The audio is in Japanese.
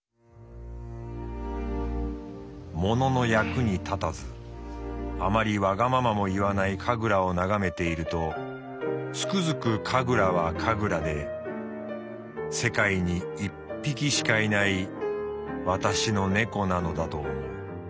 「ものの役に立たずあまりわがままも言わないカグラを眺めているとつくづくカグラはカグラで世界に一匹しかいない私の猫なのだと思う」。